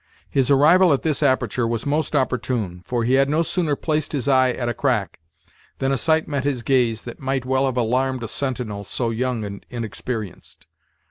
His arrival at this aperture was most opportune, for he had no sooner placed his eye at a crack, than a sight met his gaze that might well have alarmed a sentinel so young and inexperienced.